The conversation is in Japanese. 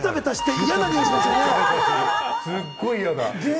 すっごい、やだ！